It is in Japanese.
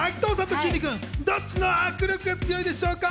ときんに君、どっちの握力が強いでしょうか？